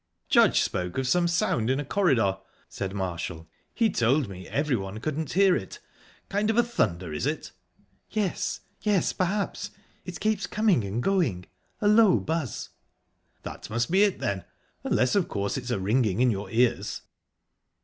"Judge spoke of some sound in a corridor," said Marshall. "He told me everyone couldn't hear it. Kind of a thunder, is it?" "Yes...yes, perhaps...It keeps coming and going...A low buzz..." "That must be it, then unless, of course, it's a ringing in your ears."